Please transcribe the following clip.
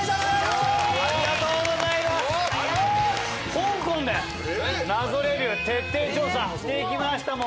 香港で謎レビュー徹底調査をしていきました。